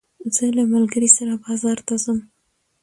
زه له ملګري سره بازار ته ځم.